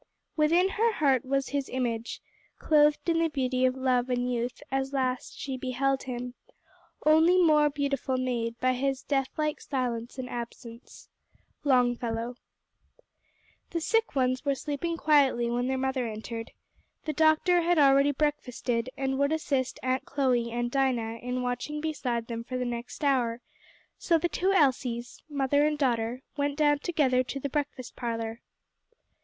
"Within her heart was his image, Cloth'd in the beauty of love and youth, as last she beheld him, Only more beautiful made by his deathlike silence and absence." Longfellow. The sick ones ware sleeping quietly when the mother entered; the doctor had already breakfasted, and would assist Aunt Chloe and Dinah in watching beside them for the next hour, so the two Elsies mother and daughter went down together to the breakfast parlor.